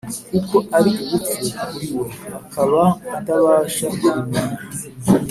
kuko ari ubupfu kuri we, akaba atabasha kubimenya,